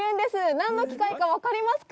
何の機械か、分かりますか？